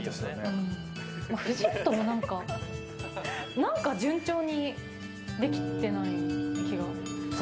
藤本も何か順調にできてない気が。